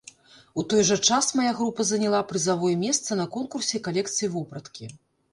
У той жа час мая група заняла прызавое месца на конкурсе калекцый вопраткі.